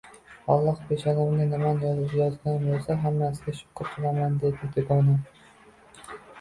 Alloh peshonamga nimani yozgan boʻlsa, hammasiga shukr qilaman, dedi dugonam